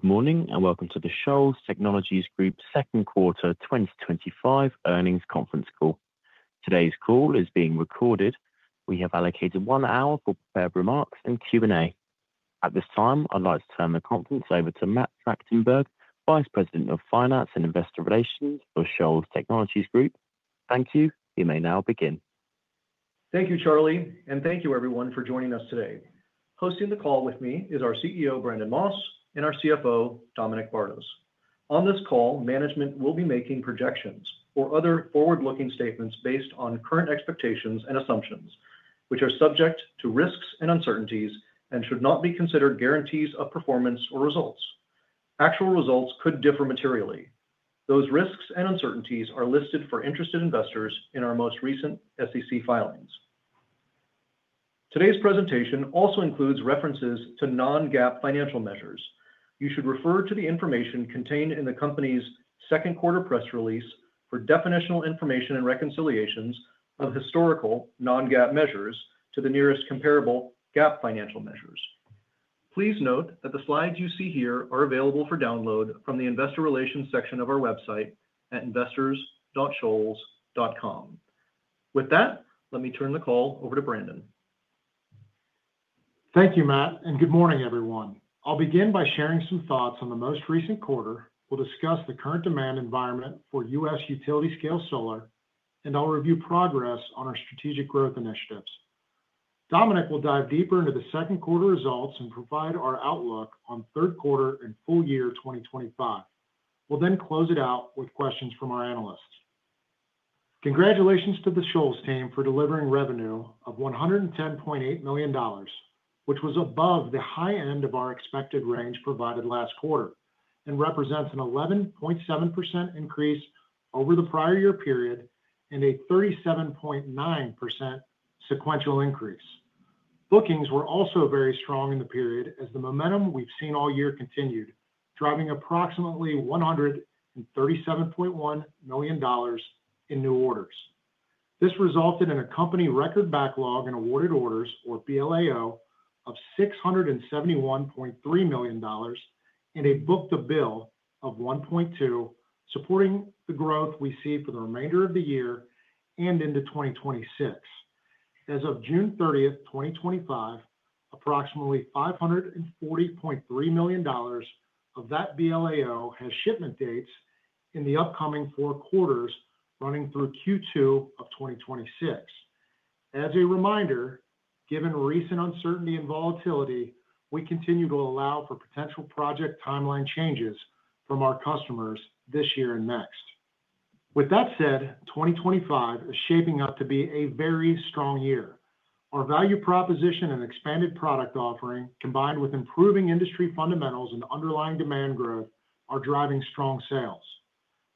Good morning and welcome to the Shoals Technologies Group's second quarter 2025 earnings conference call. Today's call is being recorded. We have allocated one hour for prepared remarks and Q&A. At this time, I'd like to turn the conference over to Matt Tractenberg, Vice President of Finance and Investor Relations for Shoals Technologies Group. Thank you. You may now begin. Thank you, Charlie, and thank you everyone for joining us today. Hosting the call with me is our CEO, Brandon Moss, and our CFO, Dominic Bardos. On this call, management will be making projections or other forward-looking statements based on current expectations and assumptions, which are subject to risks and uncertainties and should not be considered guarantees of performance or results. Actual results could differ materially. Those risks and uncertainties are listed for interested investors in our most recent SEC filings. Today's presentation also includes references to non-GAAP financial measures. You should refer to the information contained in the company's second quarter press release for definitional information and reconciliations of historical non-GAAP measures to the nearest comparable GAAP financial measures. Please note that the slides you see here are available for download from the Investor Relations section of our website at investors.shoals.com.With that, let me turn the call over to Brandon. Thank you, Matt, and good morning, everyone. I'll begin by sharing some thoughts on the most recent quarter. We'll discuss the current demand environment for U.S. utility-scale solar, and I'll review progress on our strategic growth initiatives. Dominic will dive deeper into the second quarter results and provide our outlook on third quarter and full year 2025. We'll then close it out with questions from our analysts. Congratulations to the Shoals team for delivering revenue of $110.8 million, which was above the high end of our expected range provided last quarter and represents an 11.7% increase over the prior year period and a 37.9% sequential increase. Bookings were also very strong in the period as the momentum we've seen all year continued, driving approximately $137.1 million in new orders. This resulted in a company record backlog and awarded orders, or BLAO, of $671.3 million and a book-to-bill of $1.2, supporting the growth we see for the remainder of the year and into 2026. As of June 30, 2025, approximately $540.3 million of that BLAO has shipment dates in the upcoming four quarters running through Q2 of 2026. As a reminder, given recent uncertainty and volatility, we continue to allow for potential project timeline changes from our customers this year and next. With that said, 2025 is shaping up to be a very strong year. Our value proposition and expanded product offering, combined with improving industry fundamentals and underlying demand growth, are driving strong sales.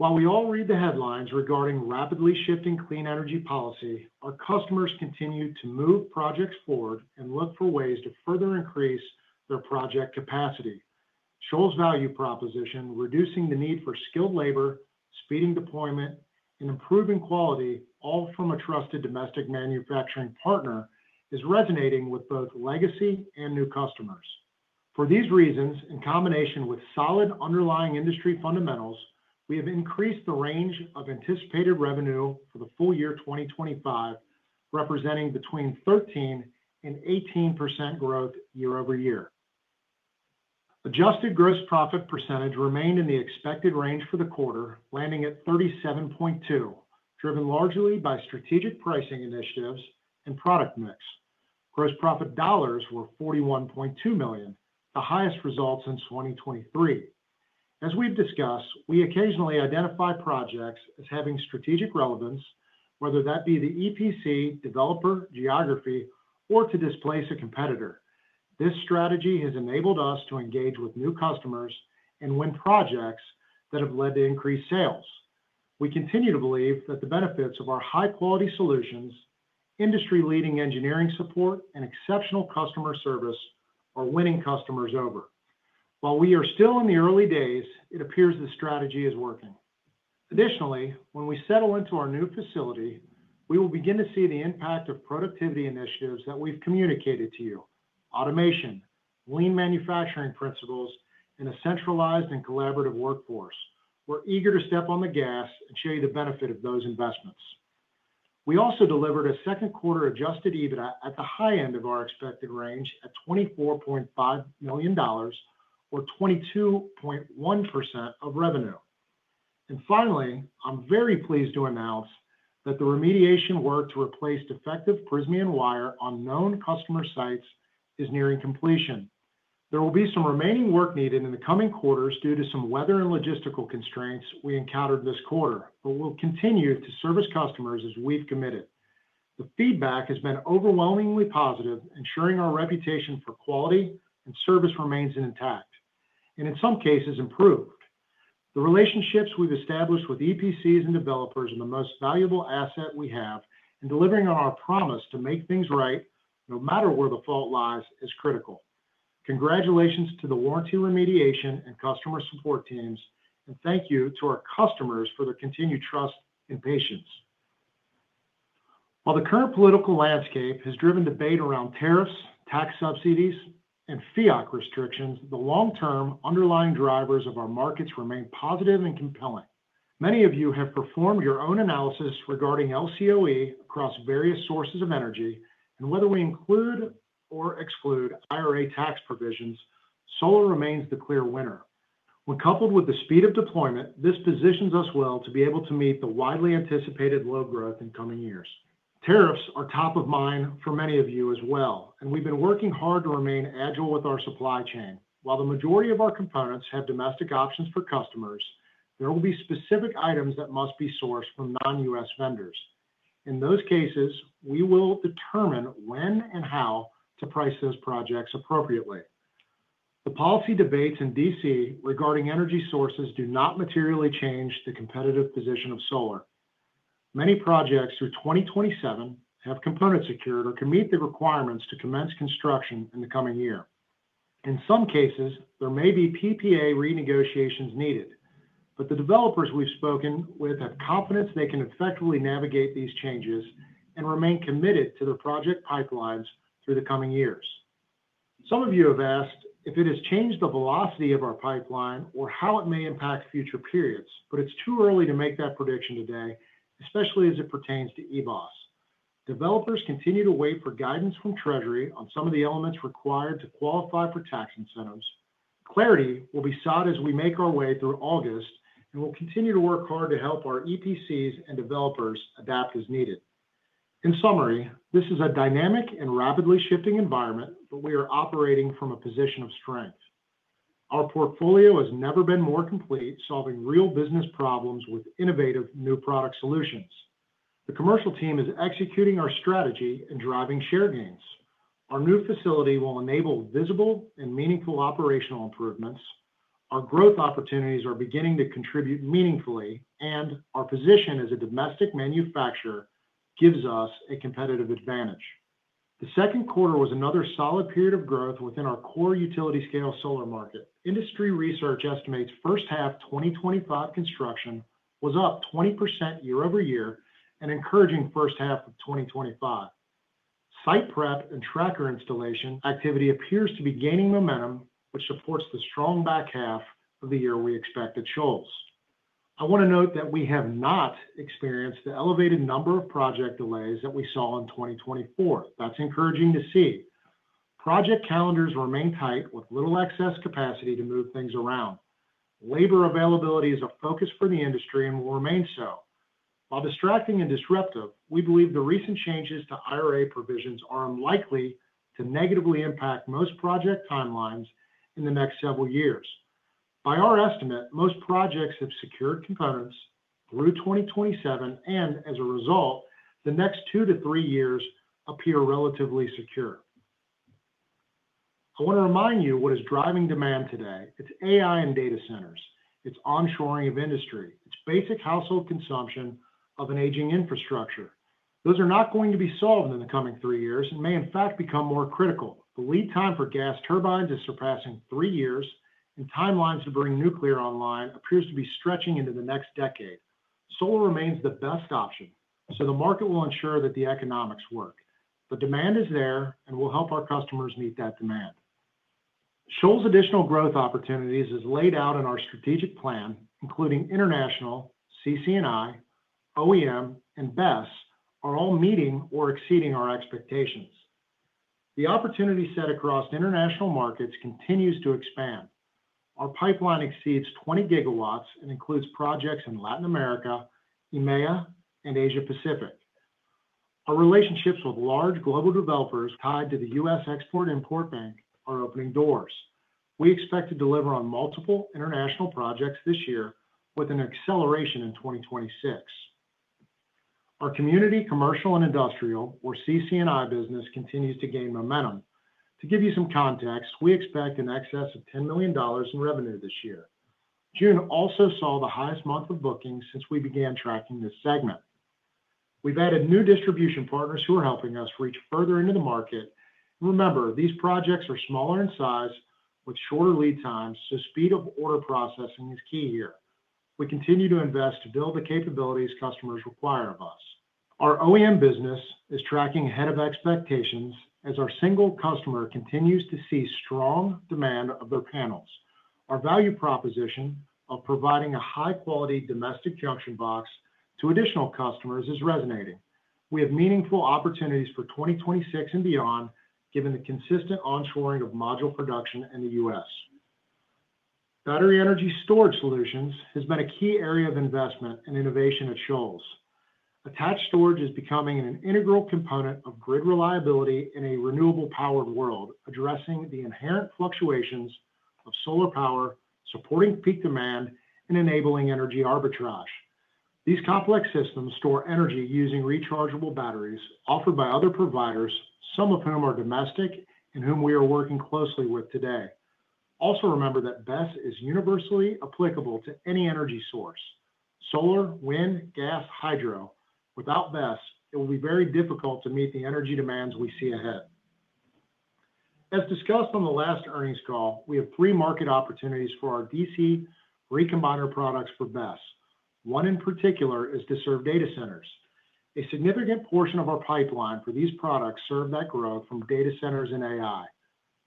While we all read the headlines regarding rapidly shifting clean energy policy, our customers continue to move projects forward and look for ways to further increase their project capacity. Shoals' value proposition, reducing the need for skilled labor, speeding deployment, and improving quality, all from a trusted domestic manufacturing partner, is resonating with both legacy and new customers. For these reasons, in combination with solid underlying industry fundamentals, we have increased the range of anticipated revenue for the full year 2025, representing between 13% and 18% growth year-over-year. Adjusted gross profit percentage remained in the expected range for the quarter, landing at 37.2%, driven largely by strategic pricing initiatives and product mix. Gross profit dollars were $41.2 million, the highest results in 2023. As we've discussed, we occasionally identify projects as having strategic relevance, whether that be the EPC, developer, geography, or to displace a competitor. This strategy has enabled us to engage with new customers and win projects that have led to increased sales. We continue to believe that the benefits of our high-quality solutions, industry-leading engineering support, and exceptional customer service are winning customers over. While we are still in the early days, it appears this strategy is working. Additionally, when we settle into our new facility, we will begin to see the impact of productivity initiatives that we've communicated to you: automation, lean manufacturing principles, and a centralized and collaborative workforce. We're eager to step on the gas and show you the benefit of those investments. We also delivered a second quarter adjusted EBITDA at the high end of our expected range at $24.5 million, or 22.1% of revenue. Finally, I'm very pleased to announce that the remediation work to replace defective Prysmian wire on known customer sites is nearing completion. There will be some remaining work needed in the coming quarters due to some weather and logistical constraints we encountered this quarter, but we'll continue to service customers as we've committed. The feedback has been overwhelmingly positive, ensuring our reputation for quality and service remains intact and, in some cases, improved. The relationships we've established with EPCs and developers are the most valuable asset we have, and delivering on our promise to make things right, no matter where the fault lies, is critical. Congratulations to the warranty remediation and customer support teams, and thank you to our customers for their continued trust and patience. While the current political landscape has driven debate around tariffs, tax subsidies, and FEAC restrictions, the long-term underlying drivers of our markets remain positive and compelling. Many of you have performed your own analysis regarding LCOE across various sources of energy and whether we include or exclude IRA tax provisions. Solar remains the clear winner. When coupled with the speed of deployment, this positions us well to be able to meet the widely anticipated low growth in coming years. Tariffs are top of mind for many of you as well, and we've been working hard to remain agile with our supply chain. While the majority of our components have domestic options for customers, there will be specific items that must be sourced from non-U.S. vendors. In those cases, we will determine when and how to price those projects appropriately. The policy debates in D.C. regarding energy sources do not materially change the competitive position of solar. Many projects through 2027 have components secured or can meet the requirements to commence construction in the coming year. In some cases, there may be PPA renegotiations needed, but the developers we've spoken with have confidence they can effectively navigate these changes and remain committed to their project pipelines through the coming years. Some of you have asked if it has changed the velocity of our pipeline or how it may impact future periods, but it's too early to make that prediction today, especially as it pertains to EBOS. Developers continue to wait for guidance from Treasury on some of the elements required to qualify for tax incentives. Clarity will be sought as we make our way through August, and we'll continue to work hard to help our EPCs and developers adapt as needed. In summary, this is a dynamic and rapidly shifting environment, but we are operating from a position of strength. Our portfolio has never been more complete, solving real business problems with innovative, new product solutions. The commercial team is executing our strategy and driving share gains. Our new facility will enable visible and meaningful operational improvements. Our growth opportunities are beginning to contribute meaningfully, and our position as a domestic manufacturer gives us a competitive advantage. The second quarter was another solid period of growth within our core utility-scale solar market. Industry research estimates first half 2025 construction was up 20% year-over-year and encouraging first half of 2025. Site prep and tracker installation activity appears to be gaining momentum, which supports the strong back half of the year we expect at Shoals. I want to note that we have not experienced the elevated number of project delays that we saw in 2024. That's encouraging to see. Project calendars remain tight with little excess capacity to move things around. Labor availability is a focus for the industry and will remain so. While distracting and disruptive, we believe the recent changes to IRA provisions are unlikely to negatively impact most project timelines in the next several years. By our estimate, most projects have secured components through 2027, and as a result, the next two to three years appear relatively secure. I want to remind you what is driving demand today. It's AI and data centers. It's onshoring of industry. It's basic household consumption of an aging infrastructure. Those are not going to be solved in the coming three years and may, in fact, become more critical. The lead time for gas turbines is surpassing three years, and timelines to bring nuclear online appear to be stretching into the next decade. Solar remains the best option, so the market will ensure that the economics work. The demand is there, and we'll help our customers meet that demand. Shoals' additional growth opportunities are laid out in our strategic plan, including international, CCNI, OEM, and BES are all meeting or exceeding our expectations. The opportunity set across international markets continues to expand. Our pipeline exceeds 20 GW and includes projects in Latin America, EMEA, and Asia-Pacific. Our relationships with large global developers tied to the U.S. Export-Import Bank are opening doors. We expect to deliver on multiple international projects this year with an acceleration in 2026. Our community commercial and industrial, or CCNI, business continues to gain momentum. To give you some context, we expect an excess of $10 million in revenue this year. June also saw the highest month of bookings since we began tracking this segment. We've added new distribution partners who are helping us reach further into the market. Remember, these projects are smaller in size with shorter lead times, so speed of order processing is key here. We continue to invest to build the capabilities customers require of us. Our OEM business is tracking ahead of expectations as our single customer continues to see strong demand of their panels. Our value proposition of providing a high-quality domestic junction box to additional customers is resonating. We have meaningful opportunities for 2026 and beyond, given the consistent onshoring of module production in the U.S. Battery energy storage solutions have been a key area of investment and innovation at Shoals. Attached storage is becoming an integral component of grid reliability in a renewable-powered world, addressing the inherent fluctuations of solar power, supporting peak demand, and enabling energy arbitrage. These complex systems store energy using rechargeable batteries offered by other providers, some of whom are domestic and whom we are working closely with today. Also, remember that BES is universally applicable to any energy source: solar, wind, gas, hydro. Without BES, it will be very difficult to meet the energy demands we see ahead. As discussed on the last earnings call, we have three market opportunities for our DC recombiner products for BES. One in particular is to serve data centers. A significant portion of our pipeline for these products serves that growth from data centers and AI.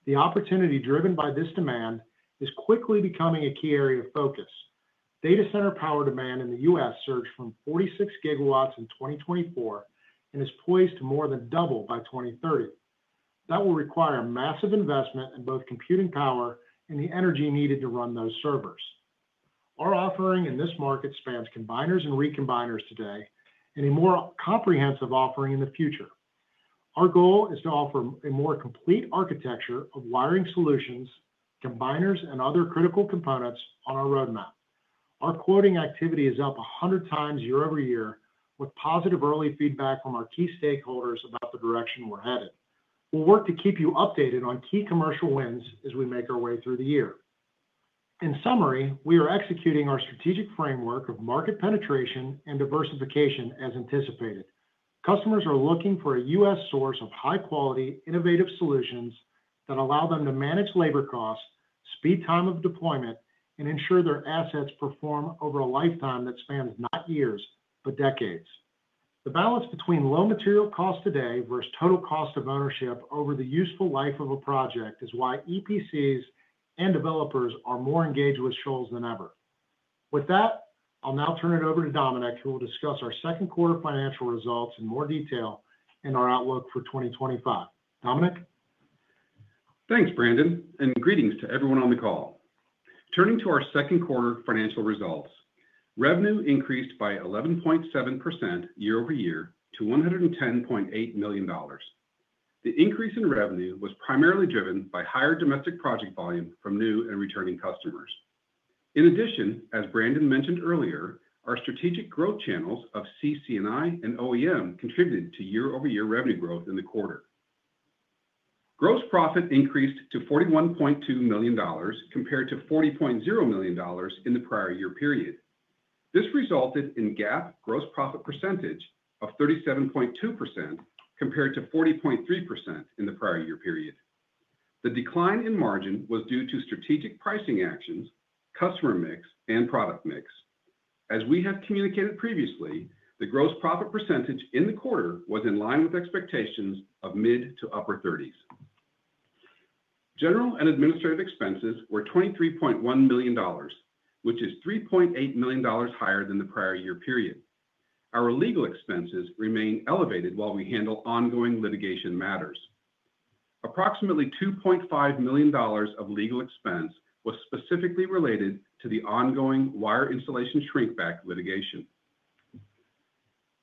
The opportunity driven by this demand is quickly becoming a key area of focus. Data center power demand in the U.S. surged from 46 GW in 2024 and is poised to more than double by 2030. That will require massive investment in both computing power and the energy needed to run those servers. Our offering in this market spans combiners and recombiners today and a more comprehensive offering in the future. Our goal is to offer a more complete architecture of wiring solutions, combiners, and other critical components on our roadmap. Our quoting activity is up 100x year-over-year, with positive early feedback from our key stakeholders about the direction we're headed. We'll work to keep you updated on key commercial wins as we make our way through the year. In summary, we are executing our strategic framework of market penetration and diversification as anticipated. Customers are looking for a U.S. source of high-quality, innovative solutions that allow them to manage labor costs, speed time of deployment, and ensure their assets perform over a lifetime that spans not years, but decades. The balance between low material cost today versus total cost of ownership over the useful life of a project is why EPCs and developers are more engaged with Shoals Technologies Group than ever. With that, I'll now turn it over to Dominic, who will discuss our second quarter financial results in more detail and our outlook for 2025. Dominic. Thanks, Brandon, and greetings to everyone on the call. Turning to our second quarter financial results, revenue increased by 11.7% year-over-year to $110.8 million. The increase in revenue was primarily driven by higher domestic project volume from new and returning customers. In addition, as Brandon mentioned earlier, our strategic growth channels of CCNI and OEM contributed to year-over-year revenue growth in the quarter. Gross profit increased to $41.2 million compared to $40.0 million in the prior year period. This resulted in a GAAP gross profit percentage of 37.2% compared to 40.3% in the prior year period. The decline in margin was due to strategic pricing actions, customer mix, and product mix. As we have communicated previously, the gross profit percentage in the quarter was in line with expectations of mid to upper 30s. General and administrative expenses were $23.1 million, which is $3.8 million higher than the prior year period. Our legal expenses remain elevated while we handle ongoing litigation matters. Approximately $2.5 million of legal expense was specifically related to the ongoing wire insulation shrink back litigation.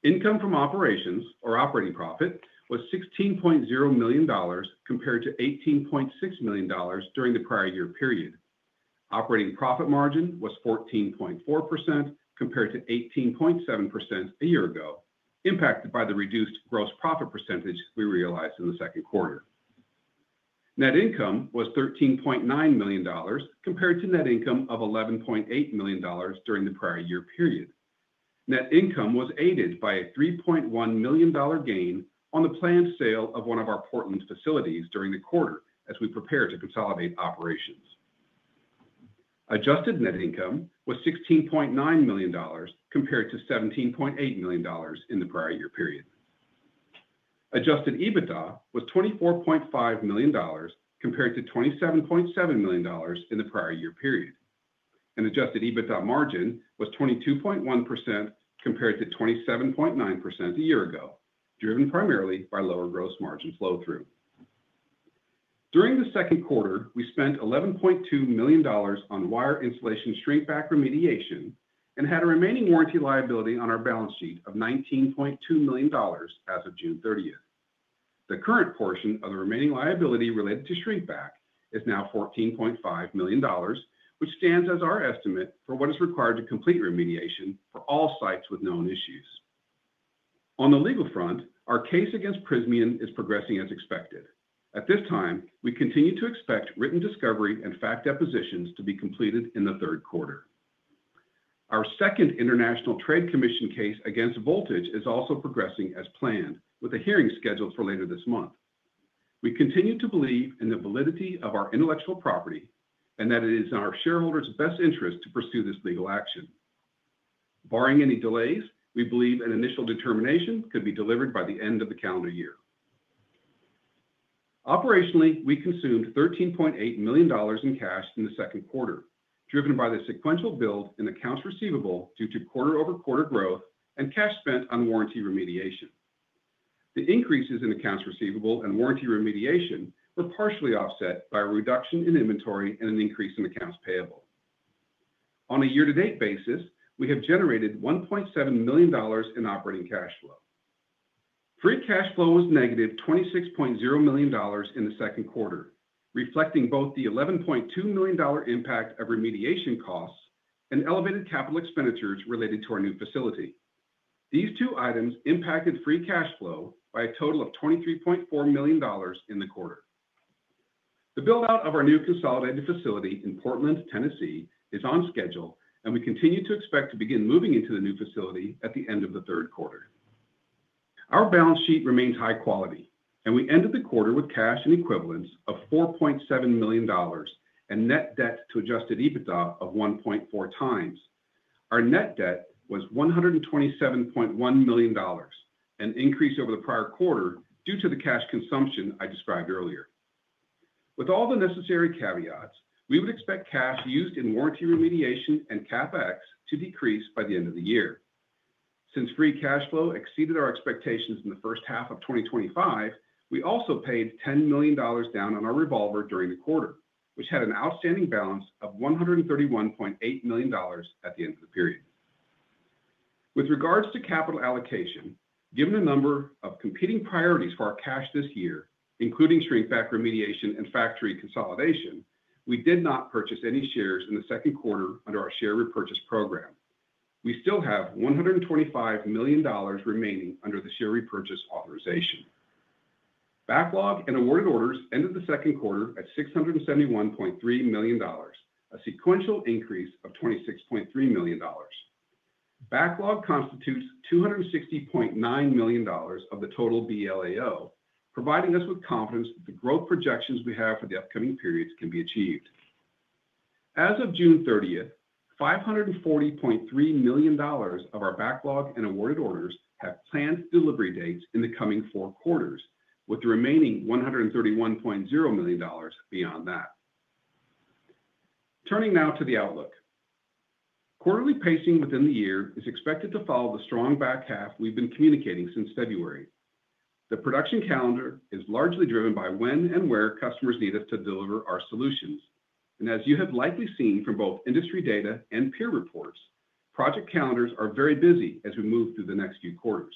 Income from operations, or operating profit, was $16.0 million compared to $18.6 million during the prior year period. Operating profit margin was 14.4% compared to 18.7% a year ago, impacted by the reduced gross profit percentage we realized in the second quarter. Net income was $13.9 million compared to net income of $11.8 million during the prior year period. Net income was aided by a $3.1 million gain on the planned sale of one of our Portland facilities during the quarter as we prepare to consolidate operations. Adjusted net income was $16.9 million compared to $17.8 million in the prior year period. Adjusted EBITDA was $24.5 million compared to $27.7 million in the prior year period. Adjusted EBITDA margin was 22.1% compared to 27.9% a year ago, driven primarily by lower gross margin flow-through. During the second quarter, we spent $11.2 million on wire insulation shrink back remediation and had a remaining warranty liability on our balance sheet of $19.2 million as of June 30th. The current portion of the remaining liability related to shrink back is now $14.5 million, which stands as our estimate for what is required to complete remediation for all sites with known issues. On the legal front, our case against Prysmian Group is progressing as expected. At this time, we continue to expect written discovery and fact depositions to be completed in the third quarter. Our second International Trade Commission case against Voltage is also progressing as planned, with a hearing scheduled for later this month. We continue to believe in the validity of our intellectual property and that it is in our shareholders' best interest to pursue this legal action. Barring any delays, we believe an initial determination could be delivered by the end of the calendar year. Operationally, we consumed $13.8 million in cash in the second quarter, driven by the sequential build in accounts receivable due to quarter-over-quarter growth and cash spent on warranty remediation. The increases in accounts receivable and warranty remediation were partially offset by a reduction in inventory and an increase in accounts payable. On a year-to-date basis, we have generated $1.7 million in operating cash flow. Free cash flow was -$26.0 million in the second quarter, reflecting both the $11.2 million impact of remediation costs and elevated capital expenditures related to our new facility. These two items impacted free cash flow by a total of $23.4 million in the quarter. The build-out of our new consolidated facility in Portland, Tennessee, is on schedule, and we continue to expect to begin moving into the new facility at the end of the third quarter. Our balance sheet remains high quality, and we ended the quarter with cash and equivalents of $4.7 million and net debt to adjusted EBITDA of 1.4x. Our net debt was $127.1 million, an increase over the prior quarter due to the cash consumption I described earlier. With all the necessary caveats, we would expect cash used in warranty remediation and CapEx to decrease by the end of the year. Since free cash flow exceeded our expectations in the first half of 2025, we also paid $10 million down on our revolver during the quarter, which had an outstanding balance of $131.8 million at the end of the period. With regards to capital allocation, given a number of competing priorities for our cash this year, including shrinkback remediation and factory consolidation, we did not purchase any shares in the second quarter under our share repurchase program. We still have $125 million remaining under the share repurchase authorization. Backlog and awarded orders ended the second quarter at $671.3 million, a sequential increase of $26.3 million. Backlog constitutes $260.9 million of the total BLAO, providing us with confidence that the growth projections we have for the upcoming periods can be achieved. As of June 30th, $540.3 million of our backlog and awarded orders have planned delivery dates in the coming four quarters, with the remaining $131.0 million beyond that. Turning now to the outlook. Quarterly pacing within the year is expected to follow the strong back half we've been communicating since February. The production calendar is largely driven by when and where customers need us to deliver our solutions. As you have likely seen from both industry data and peer reports, project calendars are very busy as we move through the next few quarters.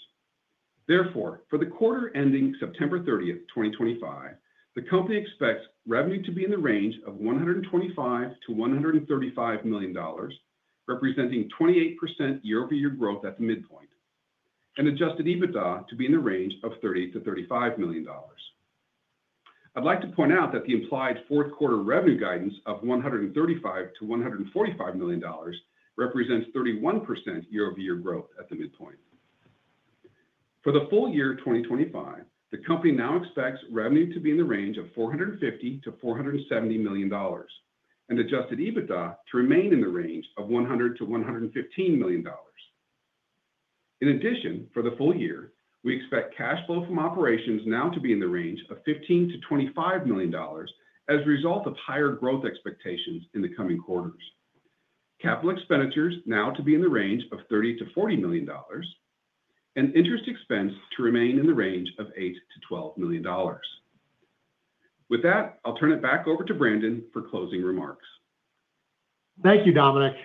Therefore, for the quarter ending September 30th, 2025, the company expects revenue to be in the range of $125 million-$135 million, representing 28% year-over-year growth at the midpoint, and adjusted EBITDA to be in the range of $30 million-$35 million. I'd like to point out that the implied fourth quarter revenue guidance of $135 million-$145 million represents 31% year-over-year growth at the midpoint. For the full year 2025, the company now expects revenue to be in the range of $450 million- $470 million and adjusted EBITDA to remain in the range of $100 million-$115 million. In addition, for the full year, we expect cash flow from operations now to be in the range of $15 million-$25 million as a result of higher growth expectations in the coming quarters. Capital expenditures now to be in the range of $30 million-$40 million and interest expense to remain in the range of $8 million-$12 million. With that, I'll turn it back over to Brandon for closing remarks. Thank you, Dominic.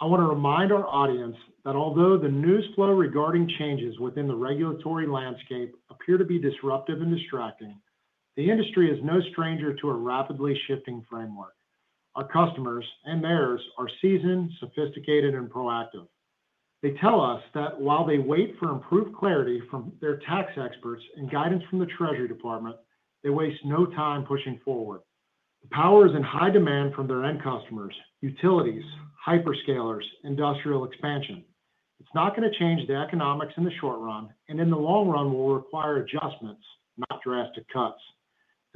I want to remind our audience that although the news flow regarding changes within the regulatory landscape appears to be disruptive and distracting, the industry is no stranger to a rapidly shifting framework. Our customers and mayors are seasoned, sophisticated, and proactive. They tell us that while they wait for improved clarity from their tax experts and guidance from the Treasury Department, they waste no time pushing forward. The power is in high demand from their end customers, utilities, hyperscalers, and industrial expansion. It's not going to change the economics in the short run, and in the long run, we'll require adjustments, not drastic cuts.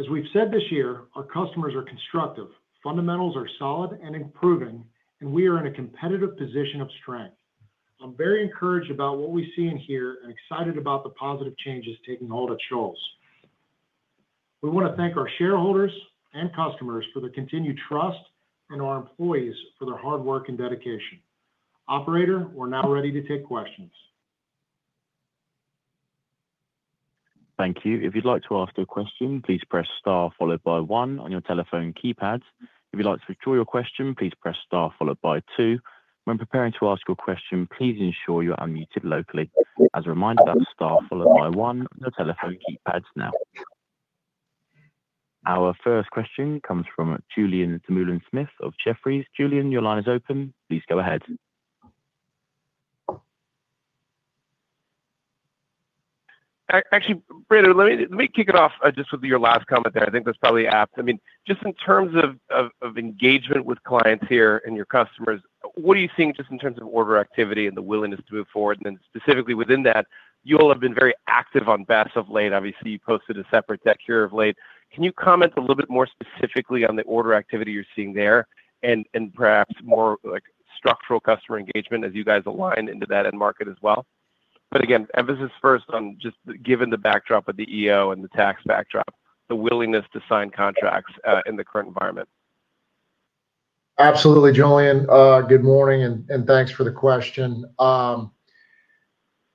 As we've said this year, our customers are constructive, fundamentals are solid and improving, and we are in a competitive position of strength. I'm very encouraged about what we see in here and excited about the positive changes taking hold at Shoals. We want to thank our shareholders and customers for their continued trust and our employees for their hard work and dedication. Operator, we're now ready to take questions. Thank you. If you'd like to ask your question, please press star followed by one on your telephone keypad. If you'd like to withdraw your question, please press star followed by two. When preparing to ask your question, please ensure you're unmuted locally. As a reminder, that's star followed by one on your telephone keypads now. Our first question comes from Julien Dumoulin-Smith of Jefferies. Julien, your line is open. Please go ahead. Actually, Brandon, let me kick it off just with your last comment there. I think that's probably apt. I mean, just in terms of engagement with clients here and your customers, what do you think just in terms of order activity and the willingness to move forward? Specifically within that, you all have been very active on battery energy storage solutions of late. Obviously, you posted a separate deck here of late. Can you comment a little bit more specifically on the order activity you're seeing there and perhaps more like structural customer engagement as you guys align into that end market as well? Again, emphasis first on just given the backdrop of the EO and the tax backdrop, the willingness to sign contracts in the current environment. Absolutely, Julien. Good morning and thanks for the question.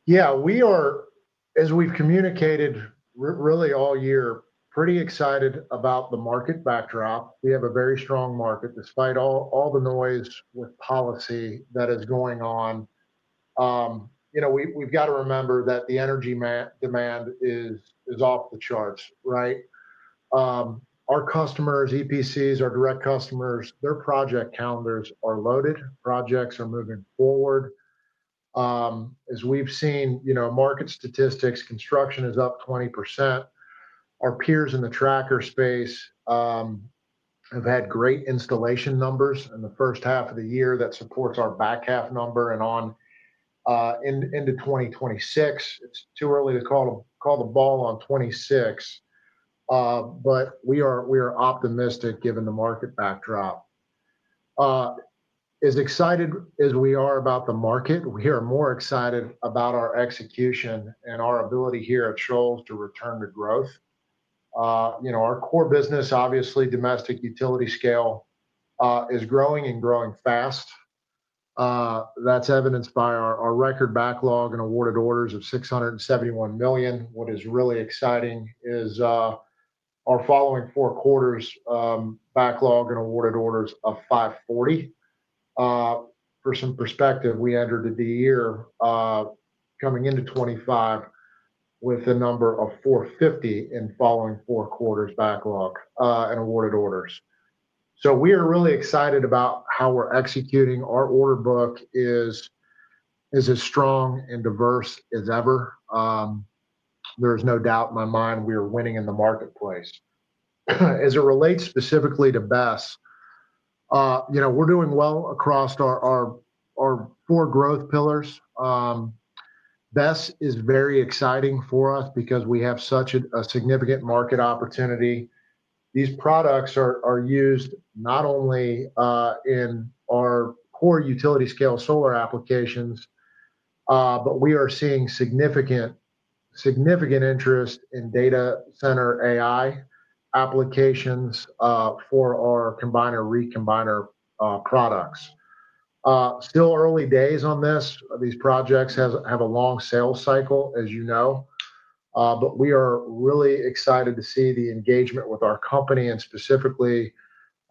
Yeah, we are, as we've communicated really all year, pretty excited about the market backdrop. We have a very strong market despite all the noise with policy that is going on. You know, we've got to remember that the energy demand is off the charts, right? Our customers, EPCs, our direct customers, their project calendars are loaded. Projects are moving forward. As we've seen, you know, market statistics, construction is up 20%. Our peers in the tracker space have had great installation numbers in the first half of the year that support our back half number and on into 2026. It's too early to call the ball on 2026, but we are optimistic given the market backdrop. As excited as we are about the market, we are more excited about our execution and our ability here at Shoals Technologies Group to return to growth. You know, our core business, obviously, domestic utility scale is growing and growing fast. That's evidenced by our record backlog and awarded orders of $671 million. What is really exciting is our following four quarters' backlog and awarded orders of $540 million. For some perspective, we entered the year coming into 2025 with a number of $450 million in following four quarters' backlog and awarded orders. We are really excited about how we're executing. Our order book is as strong and diverse as ever. There is no doubt in my mind we are winning in the marketplace. As it relates specifically to battery energy storage solutions, you know, we're doing well across our four growth pillars. BES is very exciting for us because we have such a significant market opportunity. These products are used not only in our core utility-scale solar applications, but we are seeing significant interest in data center AI applications for our combiner recombiner products. Still early days on this. These projects have a long sales cycle, as you know, but we are really excited to see the engagement with our company and specifically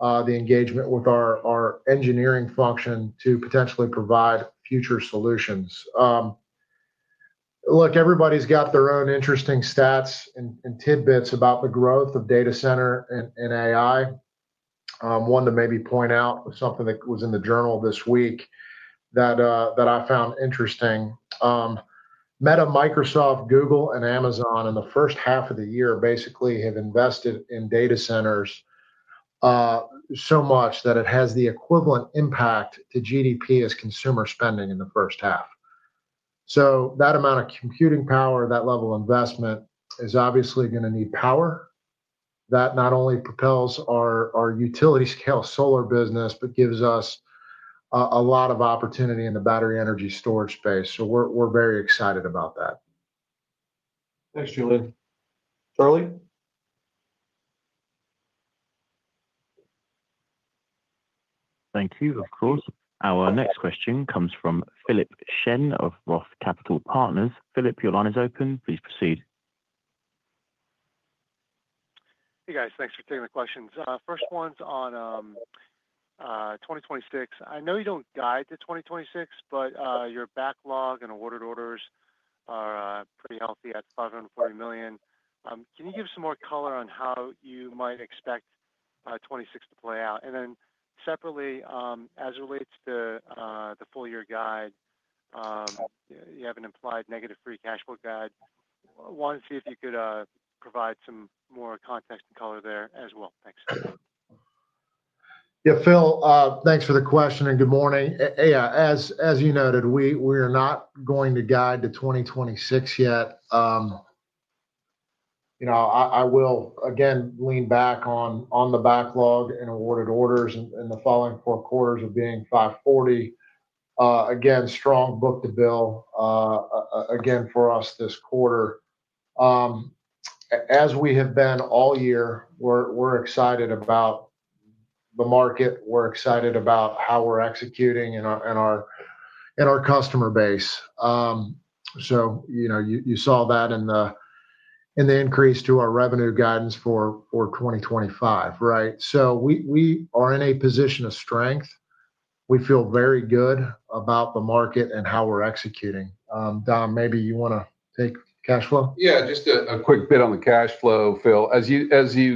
the engagement with our engineering function to potentially provide future solutions. Look, everybody's got their own interesting stats and tidbits about the growth of data center and AI. One to maybe point out was something that was in the journal this week that I found interesting. Meta, Microsoft, Google, and Amazon in the first half of the year basically have invested in data centers so much that it has the equivalent impact to GDP as consumer spending in the first half. That amount of computing power, that level of investment is obviously going to need power. That not only propels our utility-scale solar business, but gives us a lot of opportunity in the battery energy storage space. We are very excited about that. Thanks, Julien. Charlie. Thank you, of course. Our next question comes from Philip Shen of ROTH Capital Partners. Philip, your line is open. Please proceed. Hey, guys. Thanks for taking the questions. First one's on 2026. I know you don't guide to 2026, but your backlog and awarded orders are pretty healthy at $540 million. Can you give some more color on how you might expect 2026 to play out? Separately, as it relates to the full year guide, you have an implied negative free cash flow guide. I wanted to see if you could provide some more context and color there as well. Thanks. Yeah, Phil, thanks for the question and good morning. As you noted, we are not going to guide to 2026 yet. I will again lean back on the backlog and awarded orders in the following four quarters of being $540 million. Again, strong book-to-bill for us this quarter. As we have been all year, we're excited about the market. We're excited about how we're executing and our customer base. You saw that in the increase to our revenue guidance for 2025, right? We are in a position of strength. We feel very good about the market and how we're executing. Dom, maybe you want to take cash flow? Yeah, just a quick bit on the cash flow, Phil. As you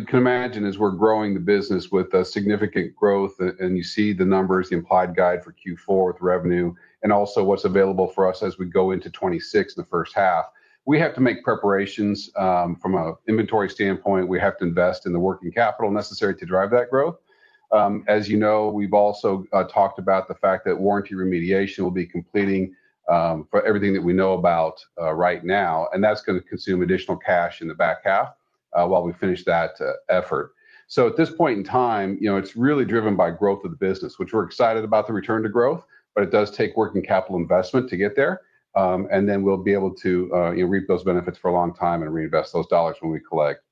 can imagine, as we're growing the business with significant growth and you see the numbers, the implied guide for Q4 with revenue and also what's available for us as we go into 2026, the first half, we have to make preparations from an inventory standpoint. We have to invest in the working capital necessary to drive that growth. As you know, we've also talked about the fact that warranty remediation will be completing for everything that we know about right now, and that's going to consume additional cash in the back half while we finish that effort. At this point in time, it's really driven by growth of the business, which we're excited about the return to growth, but it does take working capital investment to get there. We'll be able to reap those benefits for a long time and reinvest those dollars when we collect.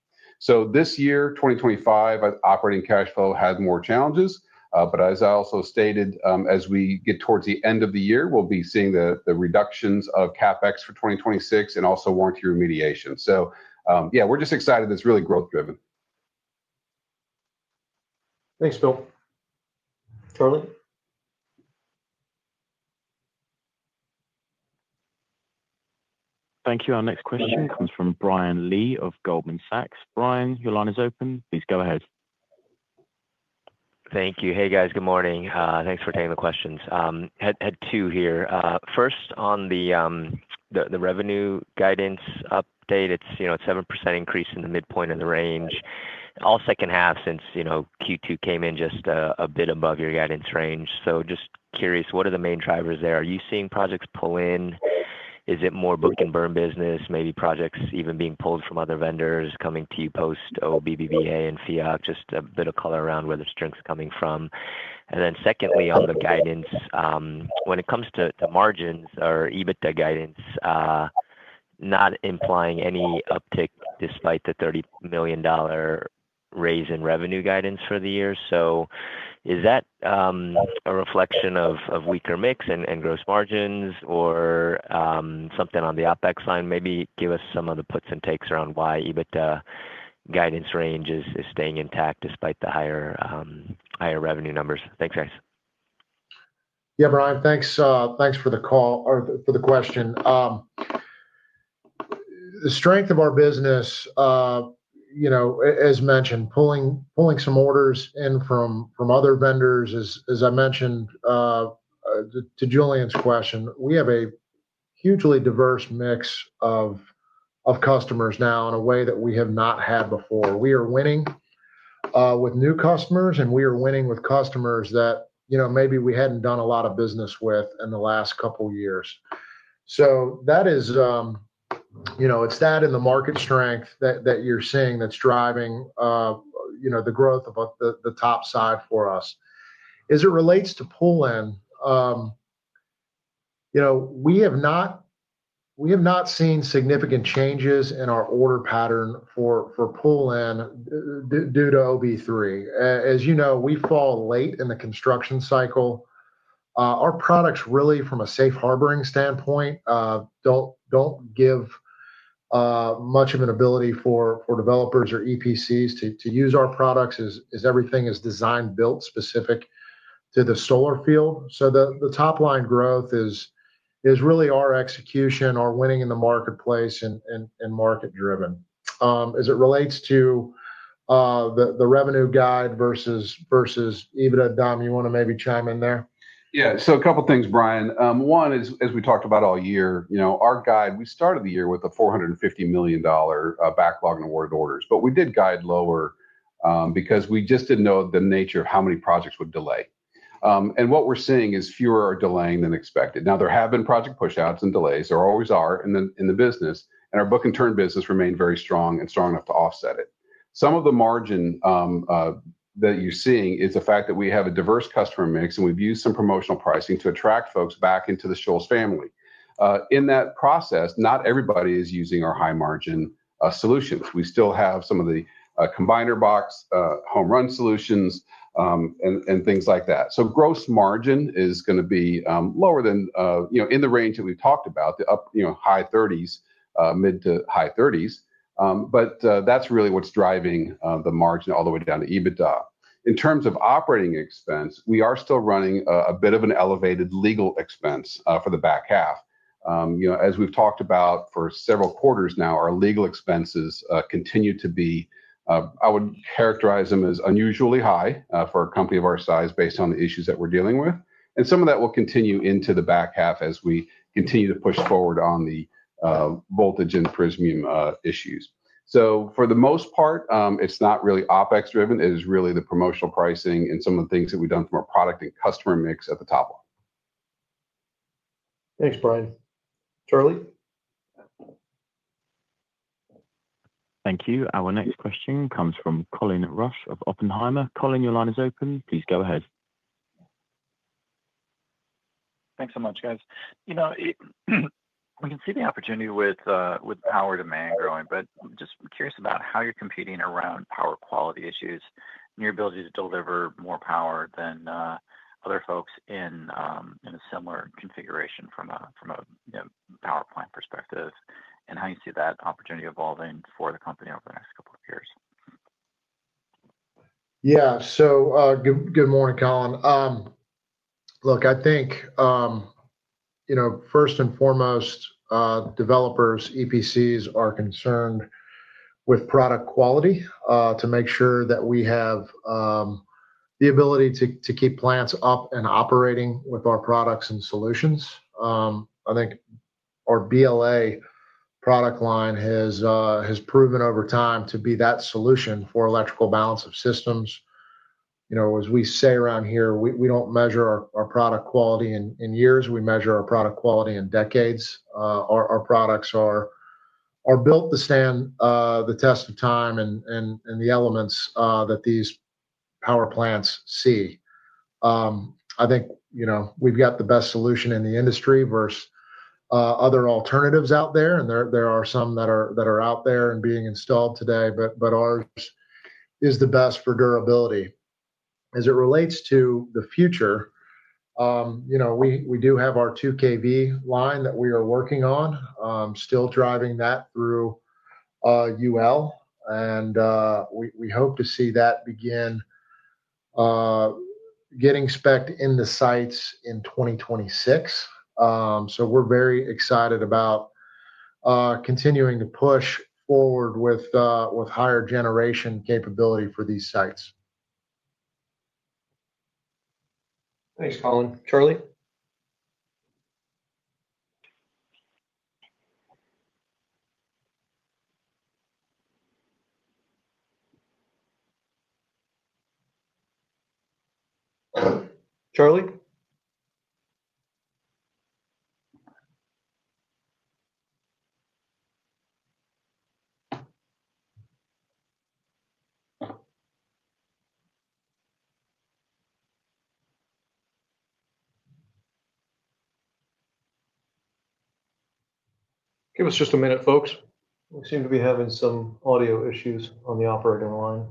This year, 2025, operating cash flow had more challenges. As I also stated, as we get towards the end of the year, we'll be seeing the reductions of CapEx for 2026 and also warranty remediation. Yeah, we're just excited. It's really growth-driven. Thanks, Phil. Charlie. Thank you. Our next question comes from Brian Lee of Goldman Sachs. Brian, your line is open. Please go ahead. Thank you. Hey, guys. Good morning. Thanks for taking the questions. Had two here. First, on the revenue guidance update, it's a 7% increase in the midpoint of the range, all second half since Q2 came in just a bit above your guidance range. Just curious, what are the main drivers there? Are you seeing projects pull in? Is it more book and burn business? Maybe projects even being pulled from other vendors coming to you post IRA and FEAC? Just a bit of color around where the strength is coming from. Secondly, on the guidance, when it comes to margins or EBITDA guidance, not implying any uptick despite the $30 million raise in revenue guidance for the year. Is that a reflection of weaker mix and gross margins or something on the OpEx line? Maybe give us some of the puts and takes around why EBITDA guidance range is staying intact despite the higher revenue numbers. Thanks, guys. Yeah, Brian, thanks for the call or for the question. The strength of our business, as mentioned, pulling some orders in from other vendors, as I mentioned to Julien's question, we have a hugely diverse mix of customers now in a way that we have not had before. We are winning with new customers and we are winning with customers that maybe we hadn't done a lot of business with in the last couple of years. That is, it's that in the market strength that you're seeing that's driving the growth about the top side for us. As it relates to pull in, we have not seen significant changes in our order pattern for pull in due to OB3. As you know, we fall late in the construction cycle. Our products really, from a safe harboring standpoint, don't give much of an ability for developers or EPCs to use our products as everything is design-built specific to the solar field. The top line growth is really our execution, our winning in the marketplace and market-driven. As it relates to the revenue guide versus EBITDA, Dom, you want to maybe chime in there? Yeah, so a couple of things, Brian. One, as we talked about all year, you know, our guide, we started the year with a $450 million backlog and awarded orders, but we did guide lower because we just didn't know the nature of how many projects would delay. What we're seeing is fewer are delaying than expected. There have been project push-outs and delays. There always are in the business, and our book and turn business remained very strong and strong enough to offset it. Some of the margin that you're seeing is the fact that we have a diverse customer mix and we've used some promotional pricing to attract folks back into the Shoals family. In that process, not everybody is using our high margin solutions. We still have some of the combiner box, home run solutions, and things like that. Gross margin is going to be lower than, you know, in the range that we've talked about, the high 30s, mid to high 30s. That's really what's driving the margin all the way down to EBITDA. In terms of operating expense, we are still running a bit of an elevated legal expense for the back half. As we've talked about for several quarters now, our legal expenses continue to be, I would characterize them as unusually high for a company of our size based on the issues that we're dealing with. Some of that will continue into the back half as we continue to push forward on the Voltage and Prysmian Group issues. For the most part, it's not really OpEx driven. It is really the promotional pricing and some of the things that we've done from our product and customer mix at the top line. Thanks, Brian. Charlie? Thank you. Our next question comes from Colin Rusch of Oppenheimer. Colin, your line is open. Please go ahead. Thanks so much, guys. You know, we can see the opportunity with power demand growing, but just curious about how you're competing around power quality issues and your ability to deliver more power than other folks in a similar configuration from a power plant perspective, and how you see that opportunity evolving for the company over the next couple of years. Good morning, Colin. I think, first and foremost, developers and EPCs are concerned with product quality to make sure that we have the ability to keep plants up and operating with our products and solutions. I think our BLA product line has proven over time to be that solution for electrical balance of systems. As we say around here, we don't measure our product quality in years. We measure our product quality in decades. Our products are built to stand the test of time and the elements that these power plants see. I think we've got the best solution in the industry versus other alternatives out there, and there are some that are out there and being installed today, but ours is the best for durability. As it relates to the future, we do have our 2 kV line that we are working on, still driving that through UL, and we hope to see that begin getting specced into sites in 2026. We're very excited about continuing to push forward with higher generation capability for these sites. Thanks, Colin. Charlie? Charlie? Give us just a minute, folks. We seem to be having some audio issues on the operator line.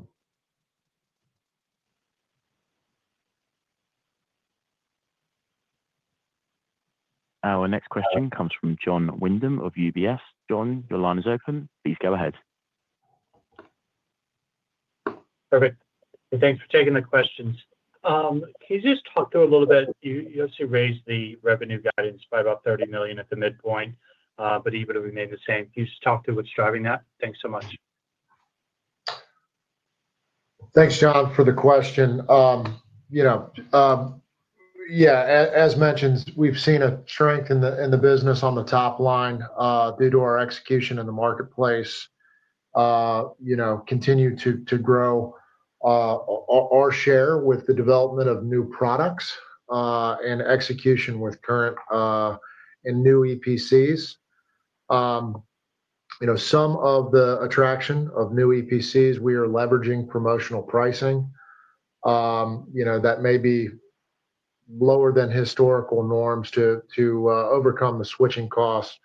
Our next question comes from Jon Windham of UBS. Jon, your line is open. Please go ahead. Perfect. Hey, thanks for taking the questions. Can you just talk through a little bit? You obviously raised the revenue guidance by about $30 million at the midpoint, but EBITDA remains the same. Can you just talk through what's driving that? Thanks so much. Thanks, John, for the question. As mentioned, we've seen strength in the business on the top line due to our execution in the marketplace. We continue to grow our share with the development of new products and execution with current and new EPCs. Some of the attraction of new EPCs, we are leveraging promotional pricing that may be lower than historical norms to overcome the switching costs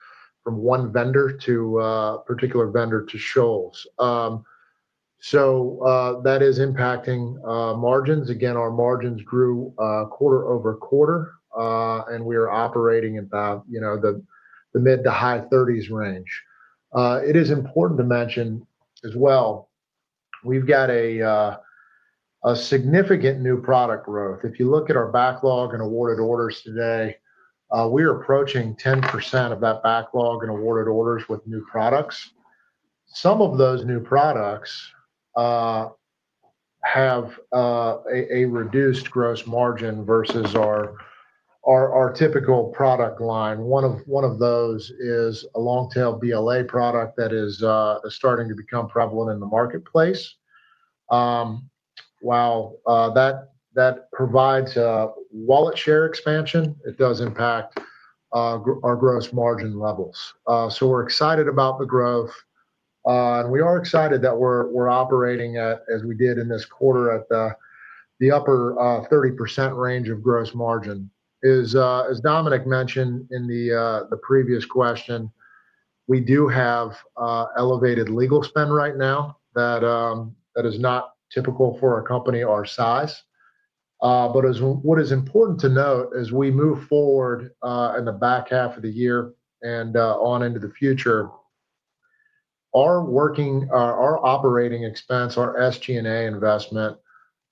from one vendor to a particular vendor to Shoals. That is impacting margins. Our margins grew quarter-over-quarter, and we are operating about the mid to high 30% range. It is important to mention as well, we've got significant new product growth. If you look at our backlog and awarded orders today, we are approaching 10% of that backlog and awarded orders with new products. Some of those new products have a reduced gross margin versus our typical product line. One of those is a long-tail BLA product that is starting to become prevalent in the marketplace. While that provides a wallet share expansion, it does impact our gross margin levels. We're excited about the growth, and we are excited that we're operating, as we did in this quarter, at the upper 30% range of gross margin. As Dominic mentioned in the previous question, we do have elevated legal spend right now. That is not typical for a company our size. What is important to note is we move forward in the back half of the year and on into the future. Our operating expense, our SG&A investment,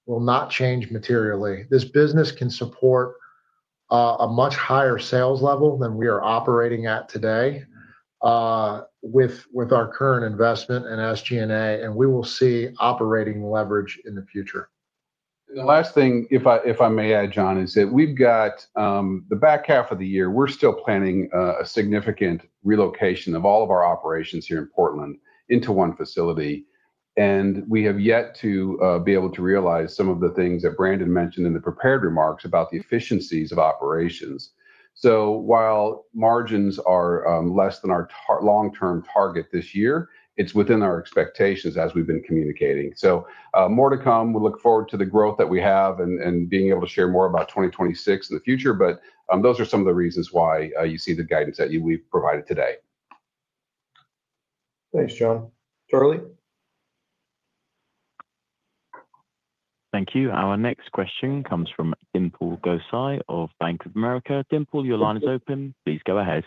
will not change materially. This business can support a much higher sales level than we are operating at today with our current investment in SG&A, and we will see operating leverage in the future. The last thing, if I may add, John, is that we've got the back half of the year, we're still planning a significant relocation of all of our operations here in Portland into one facility, and we have yet to be able to realize some of the things that Brandon mentioned in the prepared remarks about the efficiencies of operations. While margins are less than our long-term target this year, it's within our expectations as we've been communicating. More to come. We look forward to the growth that we have and being able to share more about 2026 in the future, but those are some of the reasons why you see the guidance that we've provided today. Thanks, John. Charlie. Thank you. Our next question comes from Dimple Gosai of Bank of America. Dimple, your line is open. Please go ahead.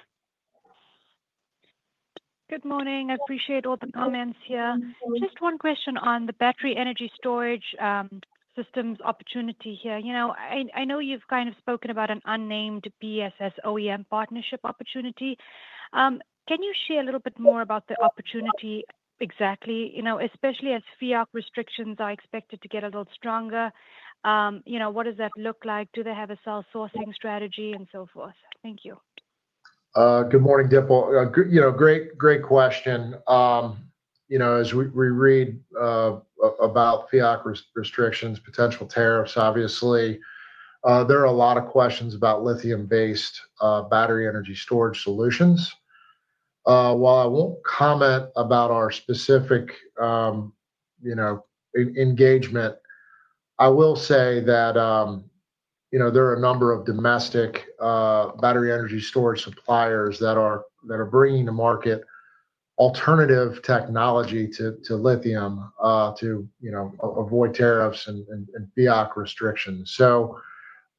Good morning. I appreciate all the comments here. Just one question on the battery energy storage solutions opportunity here. I know you've kind of spoken about an unnamed BES-OEM partnership opportunity. Can you share a little bit more about the opportunity exactly? Especially as FEAC restrictions are expected to get a little stronger, what does that look like? Do they have a cell sourcing strategy and so forth? Thank you. Good morning, Dimple. Great question. As we read about FEAC restrictions, potential tariffs, obviously, there are a lot of questions about lithium-based battery energy storage solutions. While I won't comment about our specific engagement, I will say that there are a number of domestic battery energy storage suppliers that are bringing to market alternative technology to lithium to avoid tariffs and FEAC restrictions.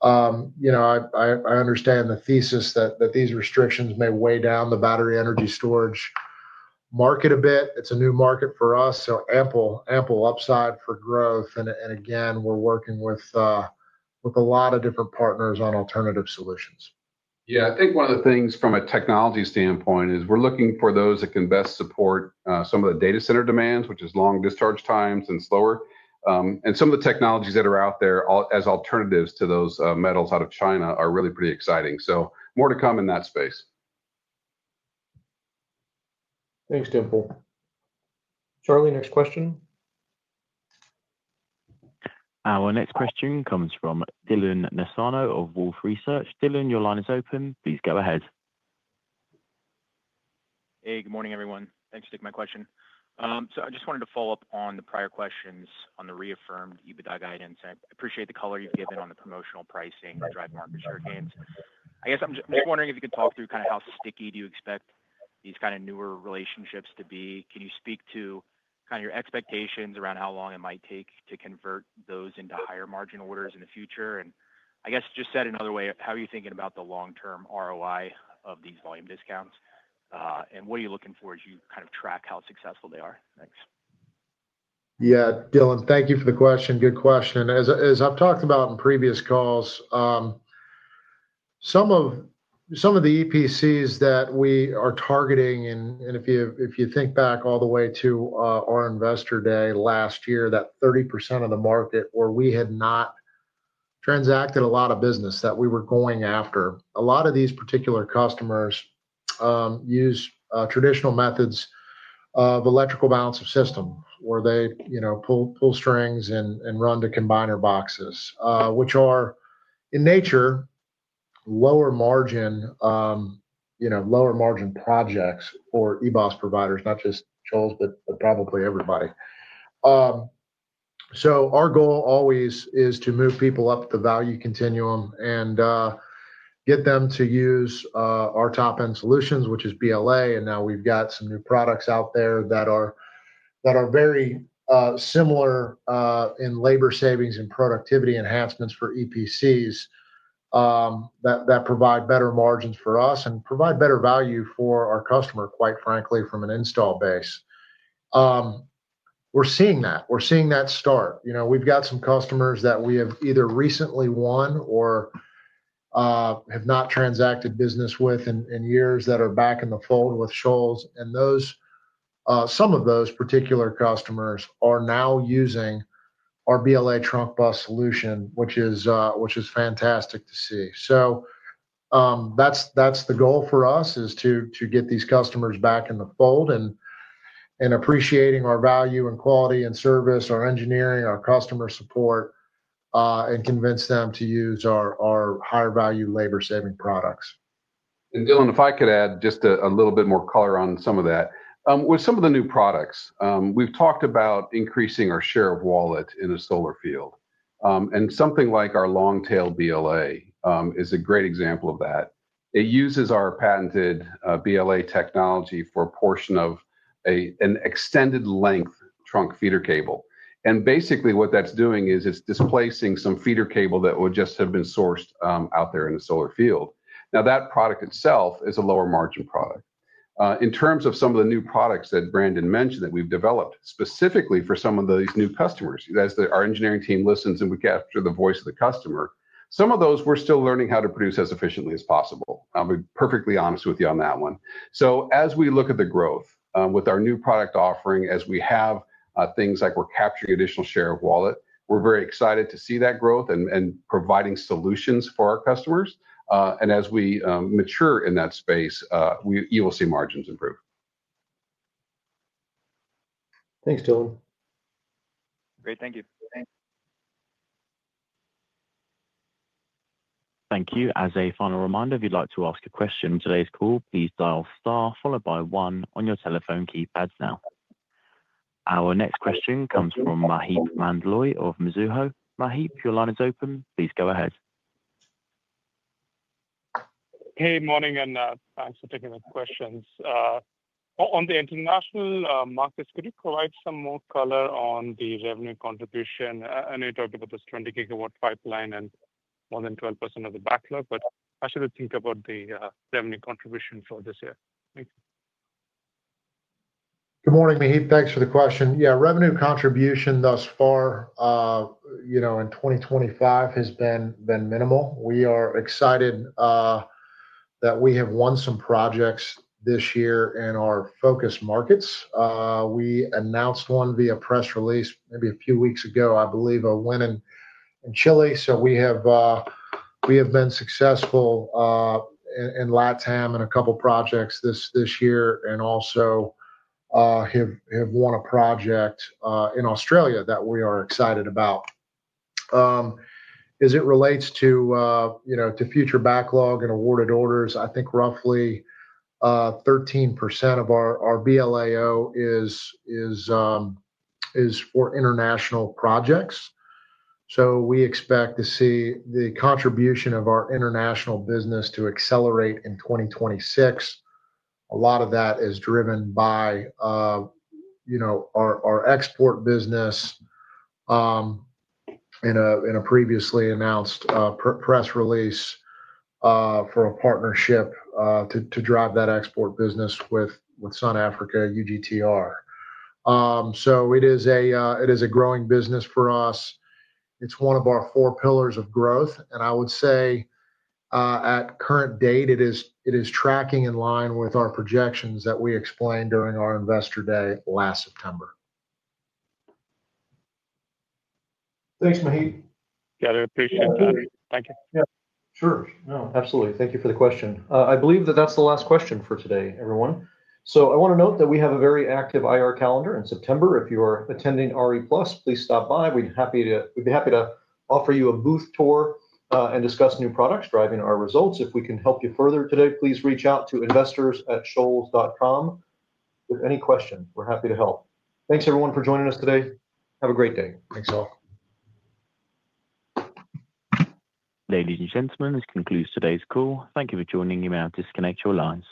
I understand the thesis that these restrictions may weigh down the battery energy storage market a bit. It's a new market for us, so ample upside for growth. Again, we're working with a lot of different partners on alternative solutions. I think one of the things from a technology standpoint is we're looking for those that can best support some of the data center demands, which is long discharge times and slower. Some of the technologies that are out there as alternatives to those metals out of China are really pretty exciting. More to come in that space. Thanks, Dimple. Charlie, next question. Charlie, next question. Our next question comes from Dylan Nassano of Wolfe Research. Dylan, your line is open. Please go ahead. Hey, good morning everyone. Thanks for taking my question. I just wanted to follow up on the prior questions on the reaffirmed EBITDA guidance. I appreciate the color you've given on the promotional pricing to drive market share gains. I'm just wondering if you could talk through how sticky you expect these newer relationships to be. Can you speak to your expectations around how long it might take to convert those into higher margin orders in the future? I guess just said another way, how are you thinking about the long-term ROI of these volume discounts? What are you looking for as you track how successful they are next? Yeah, Dylan, thank you for the question. Good question. As I've talked about in previous calls, some of the EPCs that we are targeting, and if you think back all the way to our investor day last year, that 30% of the market where we had not transacted a lot of business that we were going after, a lot of these particular customers use traditional methods of electrical balance of systems where they, you know, pull strings and run to combiner boxes, which are in nature lower margin, lower margin projects for EBOS providers, not just Shoals, but probably everybody. Our goal always is to move people up the value continuum and get them to use our top-end solutions, which is BLAO. Now we've got some new products out there that are very similar in labor savings and productivity enhancements for EPCs that provide better margins for us and provide better value for our customer, quite frankly, from an install base. We're seeing that. We're seeing that start. We've got some customers that we have either recently won or have not transacted business with in years that are back in the fold with Shoals. Some of those particular customers are now using our BLAO trunk bus solution, which is fantastic to see. The goal for us is to get these customers back in the fold and appreciating our value and quality and service, our engineering, our customer support, and convince them to use our higher value labor-saving products. If I could add just a little bit more color on some of that. With some of the new products, we've talked about increasing our share of wallet in a solar field. Something like our long-tail BLA is a great example of that. It uses our patented BLA technology for a portion of an extended length trunk feeder cable. Basically, what that's doing is it's displacing some feeder cable that would just have been sourced out there in a solar field. That product itself is a lower margin product. In terms of some of the new products that Brandon mentioned that we've developed specifically for some of those new customers, as our engineering team listens and we capture the voice of the customer, some of those we're still learning how to produce as efficiently as possible. I'll be perfectly honest with you on that one. As we look at the growth with our new product offering, as we have things like we're capturing additional share of wallet, we're very excited to see that growth and providing solutions for our customers. As we mature in that space, you will see margins improve. Thanks, Dylan. Great, thank you. Thank you. As a final reminder, if you'd like to ask a question in today's call, please dial star followed by one on your telephone keypads now. Our next question comes from Maheep Mandloi of Mizuho. Maheep, your line is open. Please go ahead. Hey, morning, and thanks for taking the questions. On the international markets, could you provide some more color on the revenue contribution? I know you talked about this 20 GW pipeline and more than 12% of the backlog, but how should we think about the revenue contribution for this year? Good morning, Maheep. Thanks for the question. Yeah, revenue contribution thus far, you know, in 2025 has been minimal. We are excited that we have won some projects this year in our focus markets. We announced one via press release maybe a few weeks ago, I believe, a win in Chile. We have been successful in Latin America in a couple of projects this year and also have won a project in Australia that we are excited about. As it relates to, you know, to future backlog and awarded orders, I think roughly 13% of our BLAO is for international projects. We expect to see the contribution of our international business to accelerate in 2026. A lot of that is driven by, you know, our export business in a previously announced press release for a partnership to drive that export business with Sun Africa UGTR. It is a growing business for us. It's one of our core pillars of growth. I would say at current date, it is tracking in line with our projections that we explained during our investor day last September. Thanks, Mehib. Yeah, I appreciate that. Thank you. Yeah. Sure. No, absolutely. Thank you for the question. I believe that that's the last question for today, everyone. I want to note that we have a very active IR calendar in September. If you are attending RE Plus, please stop by. We'd be happy to offer you a booth tour and discuss new products driving our results. If we can help you further today, please reach out to investors@shoals.com with any question. We're happy to help. Thanks everyone for joining us today. Have a great day. Thanks all. Ladies and gentlemen, this concludes today's call. Thank you for joining. You may now disconnect your lines.